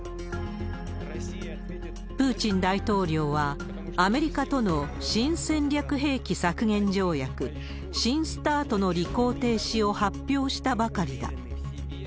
プーチン大統領は、アメリカとの新戦略兵器削減条約・新ＳＴＡＲＴの履行停止を発表したばかりだ。